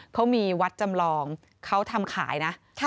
เขามีวัดจำลองเขาทำขายนะ